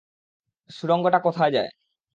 সুড়ঙ্গটা কোথায় যায়?